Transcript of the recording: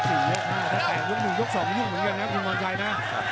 ถ้าแตกในยก๑ยก๒ยกเหมือนกันนะครับคุณข่อนใจนะ